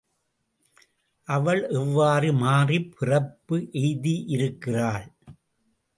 அவள் எவ்வாறு மாறிப் பிறப்பு எய்தியிருக்கிறாள்?